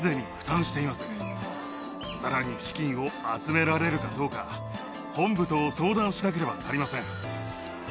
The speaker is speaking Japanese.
さらに資金を集められるかどうか本部と相談しなければなりません。